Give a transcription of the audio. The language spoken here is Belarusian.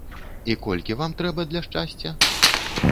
І колькі вам трэба для шчасця?